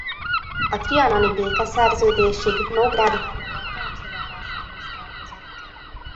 A trianoni békeszerződésig Nógrád vármegye Gácsi járásához tartozott.